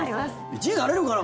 １位なれるかな？